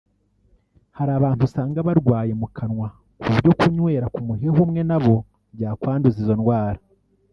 Hari abantu usanga barwaye mu kanwa ku buryo kunywera ku muheha umwe na bo byakwanduza izo ndwara”